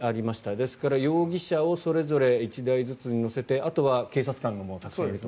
ですから容疑者をそれぞれ１台ずつに乗せてあとは警察官がたくさんいると。